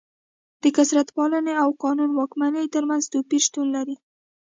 د کثرت پالنې او قانون واکمنۍ ترمنځ توپیر شتون لري.